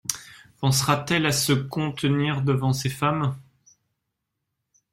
Pensera-t-elle à se contenir devant ses femmes ?…